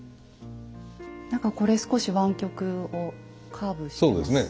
何かこれ少し湾曲をカーブしてます。